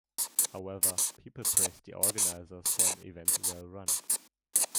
However, people praised the organisers for an event well run.